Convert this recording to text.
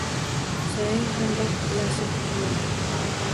Soyang ham baxt ulashib – humo